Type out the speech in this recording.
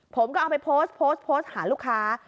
ผมก็เอาไปโพสต์หาลูกค้า